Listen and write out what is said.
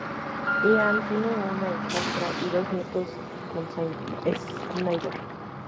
Ian tiene una hijastra y dos nietos con Snyder.